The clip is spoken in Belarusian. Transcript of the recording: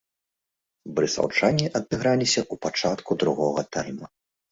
Барысаўчане адыграліся ў пачатку другога тайма.